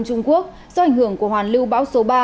trung quốc do ảnh hưởng của hoàn lưu bão số ba